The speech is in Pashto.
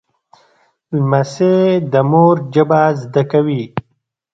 لمسی د مور ژبه زده کوي.